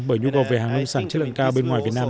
bởi nhu cầu về hàng nông sản chất lượng cao bên ngoài việt nam